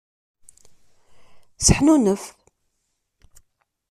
Seḥnunef.